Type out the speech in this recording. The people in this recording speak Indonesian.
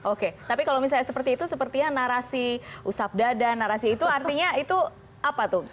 oke tapi kalau misalnya seperti itu sepertinya narasi usap dada narasi itu artinya itu apa tuh